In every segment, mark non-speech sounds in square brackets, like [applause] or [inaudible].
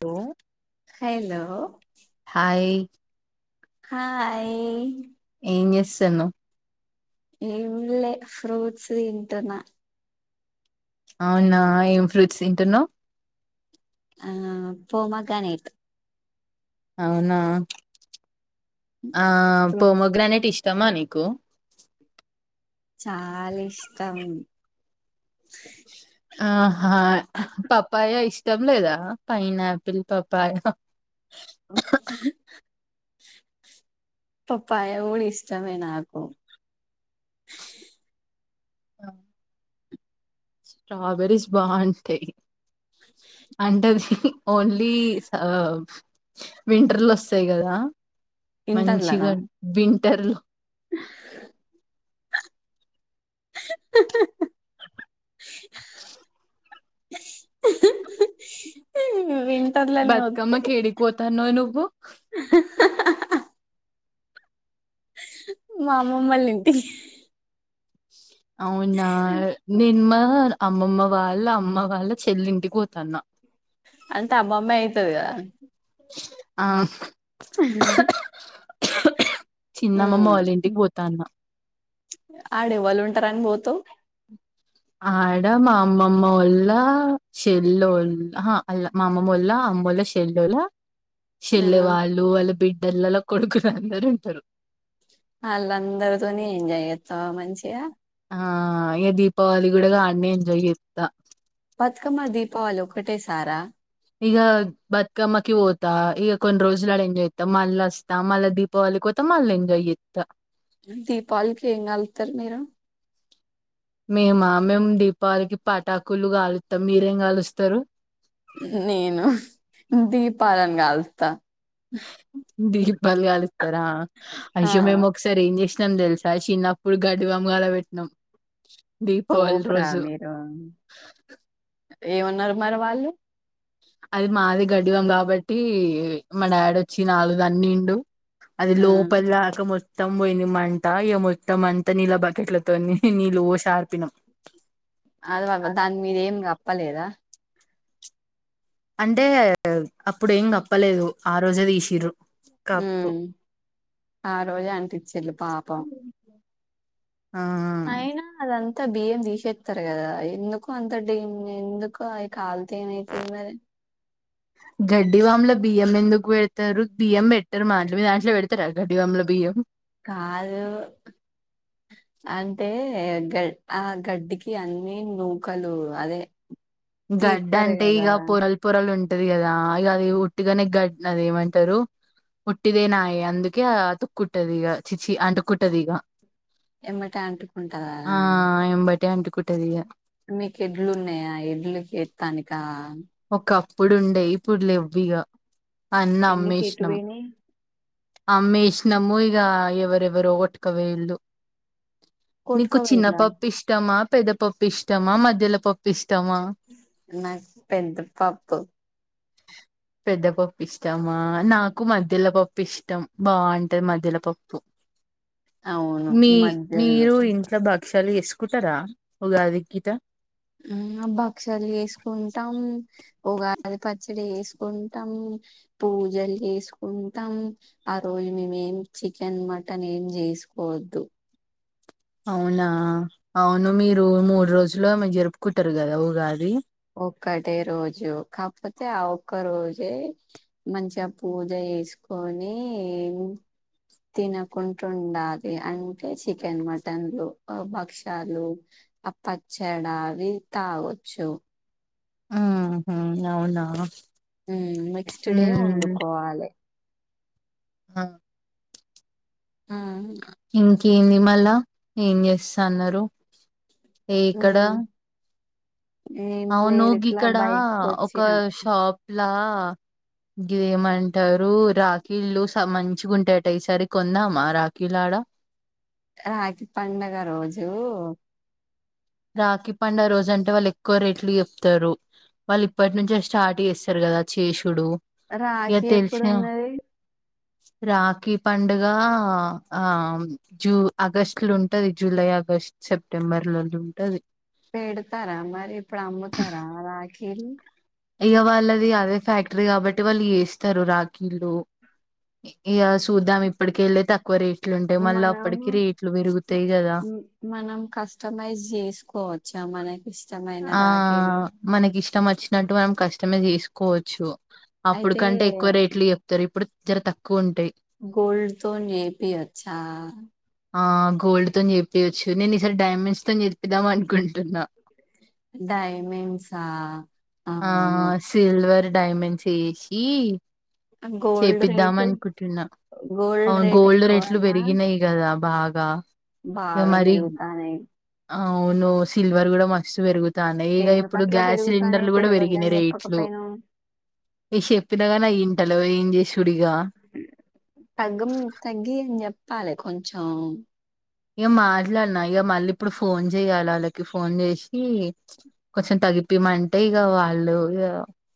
Two hello hi hi ఏంజెసన్నావ్ ఏం లే ఫ్రూట్స్ తింటున్నా అవునా ఏం ఫ్రూట్స్ తింటున్నవ్ ఆ పోమాగానేట్ అవునా ఆ ప్రో పోమోగ్రనేట్ ఇష్ట తమా నీకు చాలా ఇష్టం ఆహా పప్పాయ ఇష్టం లేదా పైనా ఆపిల్ పప్పాయ అ పప్పాయ కూడా ఇష్టమే నాకు ఆవును స్ట్రాబెరీస్ బాగుంటయ్ అంటే అది ఓన్లీ స వింటర్ల వస్తాయి కదా ఇంటర్లనా మంచిగన్ వింటర్ విన్ బత్కమ్మ కి ఏడికి ఒతాన్నవ్ నువ్వు మామమ్మ లింటికి అవునా నిన అమ్మమ్మ వాళ్ళ అమ్మ వాళ్ళ చెల్లింటికి పోతన అంటే అమ్మమ్మ అయితది గద ఆవును చిన్నమ్మమ వాళ్ళ ఇంటికి పోతన్న ఆడ ఎవలుంటరని బోతవ్ ఆడ మా అమ్మమ్మ ఒళ్ల షెల్ల్ ఒల్ అహ మా అమ్మమ్మ ఒళ్ళ అమ్ ఆమ్మో ల శెల్లోల చెల్లె ఉమ్ వాళ్ళు వాళ్ళ బిడ్డలలా కొడుకులు అందరు ఉంటరు అల్ అందరుతోని ఎంజాయ్ చెతవ మంచిగ ఆ ఇంక దీపావళి కూడా గానే ఎంజాయ్ చేతా బతుకమ్మ దీపావళి ఒకటే సారా ఇగ బతుకమ్మకి పోతా ఇక కొన్ని రోజులు ఆడ ఎంజాయ్ చేత మళ్ళ వస్తా మళ్ళ దీపావళి వొయ్ త మల ఎంజాయ్ చేత దీపావాళికి ఏం కాలుతర్ మీరు మేమా మేము దీపావళికి పటాకులు గాలుస్తాం మీరేం కాలుస్తారు నేను దీపాలను కాలుస్తా దీపలు గాలుస్తారా ఆ అయ్యో మేము ఒకసారి ఏం చేస్ నం తెలుసా చిన్నప్పుడు గడ్ బామ్ గాల పెట్టినమ్ దీపావళి తోపురా రోజు ఏమన్నరు మరి వాళ్ళు అది మాది గడివం కాబట్టి మా డాడీ వచ్చి నాలుగు తన్నిండు అది ఆ లోపల్ దాక మొత్తం పోయింది మంటా ఇగ మొత్తం అంత నీలా బకెట్ల కొన్ని నీళ్లు ఒషీ ఆర్పినం అది దాని మీద ఏం గప్పలేదా అంటే అప్పుడు ఏం కప్పలేదు ఆ రోజే తీసిరూ ఉ ఆ రోజే అనిపించింల్లు పాపం ఆ అయినా అదంత అంత బియ్యం తీసేస్తారు కదా ఎందుకు అంత డేన్ ఎందుకు అవి కాలితే ఏమయితది మరి [inaudible] గడ్డివాముల బియ్యం ఎందుకు పెడతారు బియ్యం పెట్టరు మా దాంట్ల మీ దాంట్ల పెడతారా గడ్డివాముల బియ్యం కాదు అంటే గడ్ ఆ గడ్డికి అన్ని నూకలు అదే గడ్డ తీస్తారు అంటే కదా ఇగా పొరల్ పొరలు ఉంటే ది కదా ఇగా అది ఉట్టిగానే గడ్ అది ఏమంటారు ఉుట్టదే నాయి అందుకే అతుక్కుంటదిగా చిచి అంటుకుట్టదిగ ఎమ్మటే ఆ అంటుకుంటదా ఏంబట్టే అంటుకుంటుదిగా మీకు ఎడ్లు ఉన్నాయా ఎడ్లుకేత్తానిక ఒకప్పుడుండే ఇప్పుడులెవ్విగా అన్ని ఎందుకు ఎటు అమ్మేశ్ణం పోయినయ్ అమ్మేష్ణం ఇగ ఎవరెవరో కొట్టుకపోయిర్రు నీకు కొట్టుకపోయిందా చిన్నపప్పు ఇష్టమా పెద్ద పప్పు ఇష్టమా మధ్యలో పప్పు ఇష్ నాక్ పెద్ద పప్పు పెద్దపప్పు ఇష్టమా నాకు మధ్యల పప్పు ఇష్టం బాగుంటది మధ్యల పప్పు అవును మీ మధ్యలో మీరు ఇంట్లో బా క్షాలు చేసుకుంటారా ఉగాది గిటా ఆ, భక్షాలు చేసుకుంటాం ఉగాది పచ్చడి చేసుకుంటాం పూజలు చేసుకుంటాం ఆ రోజు మేం ఏం చికెన్, మటన్ ఏం చేసుకోవద్దు. అవునా అవును మీరు మూడు రోజులు జరుపుకుంటారు కదా ఊగాది ఒక్కటే రోజు కాకపోతే ఆ ఒక్క రోజే మంచిగా పూజ చేసుకొని తినకుంటుండాలి అంటే చికెన్, మటన్లు, భక్షాలు అ పచ్చడావి తాగోచ్చు ఉహు అవునా నెక్స్ట్ డే వండుకోవాలే హా ఉమ్ ఏంది మళ్ళా ఏం చేస్తాన్నారు ఎక్కడ ఉమ్ ఏం అవును లేదు ఇట్లా గిక్కడ బయటకు ఒక వచ్చిన షాప్ లా ఇదేమంటారు రాఖీళ్లు మంచిగా ఉంటాయట ఈసారి కొందమా రాఖీలు ఆడ [unintelligible] రాఖీ పండుగ రోజు రాఖీ పండుగ రోజు అంటే వాళ్ళు ఎక్కువ రేట్లు చెప్తారు వాళ్ళు ఇప్పటి నుంచే స్టార్ట్ చేస్తారు కదా కదా చేసుడు ఇక రాఖి తెలిసిన ఎప్పుడున్నది రాఖీ పండుగ ఆ జూ ఆగస్టు లో ఉంటది జూలై ఆగ స్టు సెప్టెంబర్ లోను పెడతారా మరి ఇప్పుడు అమ్ముతారా రాఖీలు ఇగా వాళ్ళది అదే ఫ్యాక్టరీ కాబట్టి వాళ్ళు చేస్తారు రాఖీలు ఇగా సూద్దాం ఇప్పడికెళ్లే తక్కువ రేట్ మనం కదా మనం కస్టమైజ్ చేసు కోవచ్చా మనై ఆ మనకి ఇష్టం వచ్చినట్టు మనం కష్టమైస్ చేసుకోవచ్చు అప్పుడు అయితే కంటే ఎక్కువ రేట్లు చెప్తారు ఇప్పుడు జర తక్కువ ఉంటాయి గోల్డ్ తోని చేపియొచ్చా ఆ గోల్డ్ తో చెప్పయవచ్చు నేను ఈసారి డైమండ్స్ తో చెపిద్దాం అనుకుంటున్నా డైమండ్స్ ఆ సిల్వర్ డైమండ్స్ చేసి గోల్డ్ చేపిద్దాం రేటు అనుకుంటున్నా గోల్డ్ అవు రేట్ గోల్డ్ రేట్లు ఎక్కువనా పెరిగినాయి కదా బాగా ఇక బాగా మరి పెరుగుతానే అవును సిల్వర్ కూడా మస్తు పెరుగుతాన్నాయి ఇక ఎందుకు ఇప్పుడు అట్లా గ్యాస్ సిలిండర్ పెరుగుతానయి ఇప్పుడు పేరిగిన పెరగొద్దని రేట్లు చెప్పకపోయినవ్ అది చెప్పిన గాని ఇంట లేవు తగ్గం తగ్గి అని చెప్పాలి కొంచం ఇక మాట్లాడినా ఇక మళ్ళీ ఇప్పుడు ఫోన్ చేయాలి వాళ్ళకి ఫోన్ చేసి కొంచెం తగిపోమంటే ఇక వాళ్ళు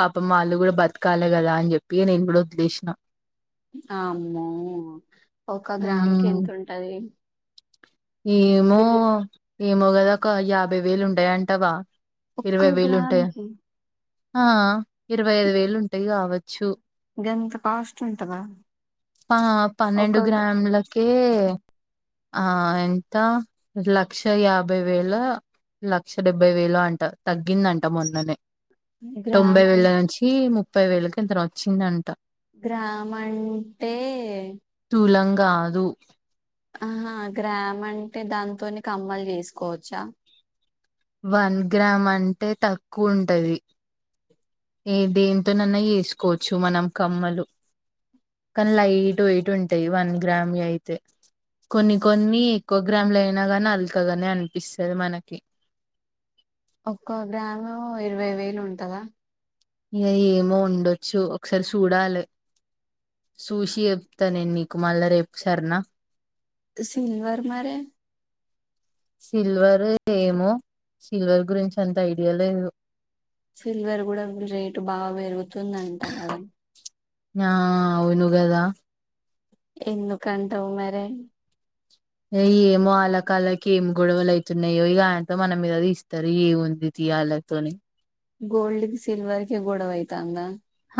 పాపమ్ వాళ్ళు కూడా బతకాలే కదా అని చెప్పి నే ఇడు వద్లే కృష్ణ అమ్మో ఒక గ్రామం కే ఎంత ఉమ్, ఉంటది ఏమో ఏమో కదా ఒక యాభై వేలు ఉంటయ అంటావా ఒక్క గ్రామ్ కి ఆ ఇరవై ఐదు వేలు ఉంటాయి కావచ్చు ఇంకెంత కాస్ట్ ఉంటందా ఆ పన్నెండు గ్రాములకే ఆ అంత లక్ష యాభై వేల లక్ష డెబ్బై వేలు అంట తగ్గిందంట మొన్ననే తొంభై గ్రామ్ అం వేళ్ళ నుంచి ముప్పై వేలకి ఇంత వచ్చింద అంట గ్రామ్ అంటే తులం కాదు ఆహా గ్రామ్ అంటే దాంతోని కమ్మలు చేసుకోవచ్చా వన్ గ్రామ్ అంటే తక్కువ ఉంటది ఏ దేంతోనన్నా వేసుకోవచ్చు మనం కమ్మలు కానీ లయిట్ ఎయిట్ ఉంటాయి వన్ గ్రామ్ అయితే కొన్ని కొన్ని ఎక్కువ గ్రాములు అయినా నీ అలకగానే అనిపిస్తుది మనకి ఒక్క గ్రామంలో ఇరవై వేలు ఉంటందా ఇక ఏమో ఉండొచ్చు ఒకసారి చూడాలి చూసి చెప్తాను నీకు మళ్ళా రేపు సరేనా సిల్వర్ మరి సిల్వర్ ఏమో సిల్వర్ గురించి అంత ఐడియా లేదు సిల్వర్ కూడా రేటు బాగా పెరుగుతుంద అంట కదా ఆ అవును గదా ఎందు కంట వు మర ఏమో వాళ్ళ కాళ్ళకి ఏం గొడవలు అయితున్నాయో ఆయనతో మన మీదది ఇస్తారు ఏముంది యాలతోని గోల్డ్ కి సిల్వర్ కి గోడవైతాద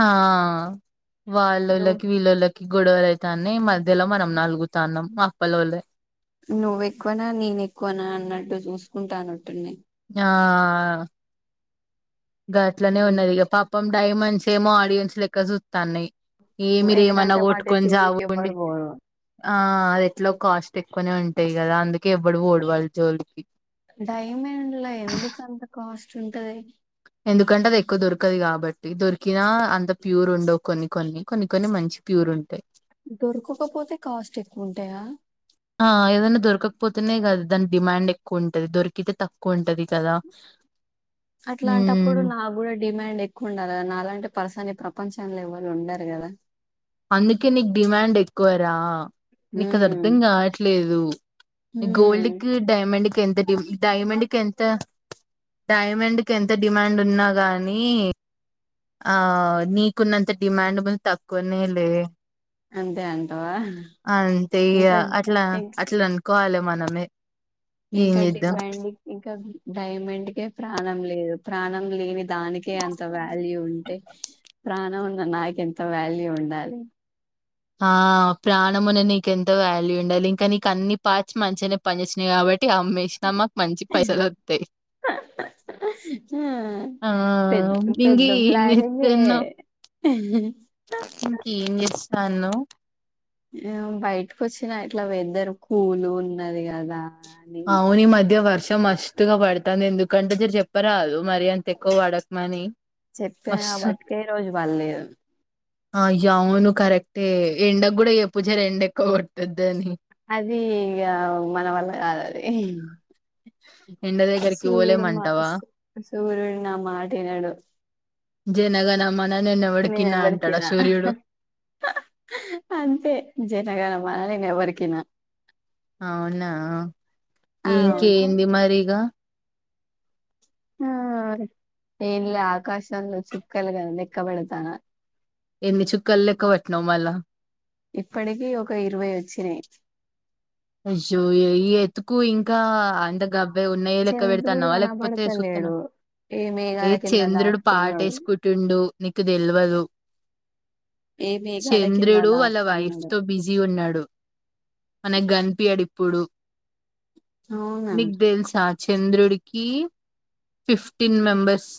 ఆ నువ్ వాళ్ళలకి వీళ్ళకి గొడవలు అతాని మధ్యలో మనం నలుగుతాన్నాం అప్పల వాళ్ళ నువ్వుఎక్కువగా నేను ఎక్కువనా అన్నట్టు చూసుకుంటానుట్టున్నా ఆ ఇ అట్నే ఉమ్. ఉన్నది ఇక ప పాపం డైమండ్స్ ఏమో ఆడియన్స్ ఇక్క చూస్తాన్నయి ఏమిరేమన్నా ఎందుకంటే వాటి కొట్టుకొని జోలికి చావుండి ఎవ్వరు పోరు ఆ అది ఎట్లా కాస్ట్ ఎక్కువనే ఉంటాయి కదా అందుకే ఎవ్వడు ఓడివాళ్ళు జోలికి డైమండ్ లో ఎందుకు అంత కాస్ట్ ఉంటది ఎందుకంటే అది ఎక్కువ దొరకదు కాబట్టి దొరికినా అంత ప్యూర్ ఉండవు కొన్ని కొన్ని కొన్ని కొన్ని మంచి ప్యూర్ ఉంటాయి దొరకకపోతే కాస్ట్ ఉంటాయా ఆ ఏదైనా దొరకకపోతేనే కదా దాని డిమాండ్ ఎక్కువ ఉంటది దొరికితే తక్కువ ఉంటది కదా అట్లాంటప్పుడు ఉమ్ నాకు కూడా డిమాండ్ ఎక్కువ ఉండాలి కదా అలాంటే పరసని ప్ర ప్రపంచంలో ఎవరు ఉండరు కదా అందుకే నీకు డిమాండ్ ఎక్కువరా నీకు అది హ్మ్ అర్ధం కావట్లేదు హ్మ్ గోల్డ్కిి డైమండ్కి ఎంత డైమండ్కి ఎంత డైమండ్కిి ఎంత డిమాండ్ ఉన్నా గానీ ఆ నీకున్నంత డిమాండ్ ముందు తక్కువనే లే అంతే అంటావా అంతే ఇంకా ఇగా అట్లా ఇం అట్లా కాాల మనమే ఏం ఇంకా చేద్దాం మాండ్ ఇంకా డైమండ్కే ప్రాణం లేదు ప్రాణం లేని దానికే అంత వాల్యూ ఉంటే ప్రాణం నాక ఎంత వాల్యూ ఉండాలి ఆ ప్రాణమునే నీకు ఎంతో వాల్యూ ఉండాలి ఇంకా నీకు అన్ని పార్చ్ మంచిగానే పనిచచ్చినాయి కాబట్టి అమష్ నా మాకు మంచి పైసల్ వస్తాయి ఆ పె ఇంక పెద్ద ఏం ప్లానింగ్ ఏ అ ఇంకా ఎం చేస్తున్నానవ్ బయటకు వచ్చినా ఇట్లా వెదర్ కూలు ఉన్నది కదా అని అవును ఈ మధ్య వర్త సో మస్స్తుగా పాడుతాం ఎందుకంటే చెప్పరాదు మరి అంత ఎక్కువ పడకమని చెప్పాను మస్తు కాబటికే ఈ రోజు వాళ్ళ లేదు ఆయా అవును కరెక్టే ఎండకు కూడా చెప్పు జరా ఏడ ఎక్కువ కొట్టదిని అది ఇకా మన వల్ల కాదది ఎండ దగ్గరికి సూర్యుడు మా పోలేమంటావా సూర్యుడు నా మాట వినడు జేనగానమా నేనే ఎవరికీ విన అంతే జనగణ మనా నేను ఎవరికి విన అవునా అవును ఇంకేంది మరిగ ఆ ఏంలే ఆకాశంలో చుక్కలు లెక్కపెడుతున్న ఎన్ని చుక్కలు లెక్క పట్నవు మళ ఇప్పటికీ ఒక ఇరవై వచ్చినాయి అయ్యో ఎత్తుకు ఇంకా గవ్వే ఉన్నాయి చంద్రుడు లెక్కబెడుతున్నావా లేకపోతే కనపడతలేడు చూస్తున్నావా ఏ మేఘాల కింద చంద్రుడు దాసుకున్నాడు పాటేసుకుంటుండు నీకు తెల్వదు ఏ మేఘాల కింద చంద్రుడు వాళ్ళ వైఫ్ దాసుకున్నాడు తో బిజీ ఉన్నాడు మనకి గన్పియాడిప్పుడు అవునా నీకు తెలుసా చంద్రుడికి ఫిఫ్టీన్ మెంబర్స్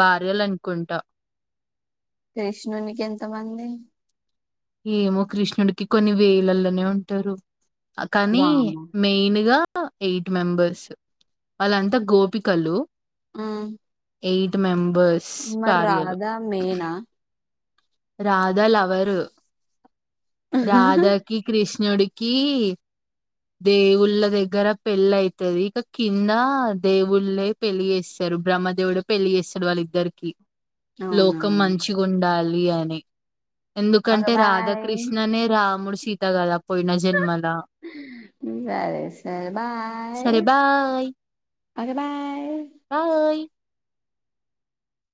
భార్యలు అనుకుంటా కృష్ణునికి ఎంత మంది ఏమో కృష్ణుడికి కొన్ని వేలలోనే ఉంటారు కానీ వామ్మో మెయిన్ గా ఎయిట్ మెంబర్స్ వాళ్ళంతా గోపికలు ఆ ఎయిట్ మెంబర్స్ మరి భార్యలు రాధా మేనా రాదా లవర్ రాధకి కృషి నూడికి దేవుళ్ళ దగ్గర పెళ్ళ అయితాది ఇక కింద దేవుళ్ళ పెళ్ళి చేేస్తే బ్రహ్మదేవుడు పెళ్లి చేస్తాడు వాళ్ళ ఇద్దరికి అవునా లోకం మంచిగా ఉండాలి అని ఓకే ఎందుకంటే బాయ్ రాధాకృష్ణనే రాముడు సీత కదాడు సరే సార్ బాయ సరే బాయ్. Okay bye bye.